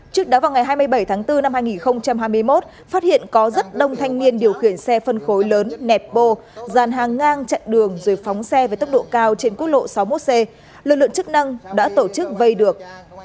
trước đó vào ngày hai mươi bảy tháng bốn năm hai nghìn hai mươi một phát hiện có rất đông thanh niên điều khiển xe phân khối lớn nẹp bô dàn hàng ngang chặn đường rồi phóng xe với tốc độ cao trên quốc lộ sáu mươi một c lực lượng chức năng đã tổ chức vây được